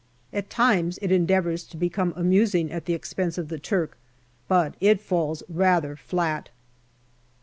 At times it endeavours to become amusing at the expense of the Turk, but it falls rather flat.